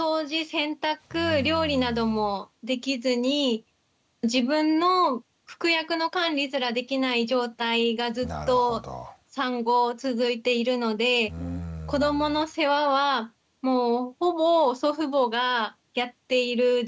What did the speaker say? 洗濯料理などもできずに自分の服薬の管理すらできない状態がずっと産後続いているので子どもの世話はもうほぼ祖父母がやっている状態です。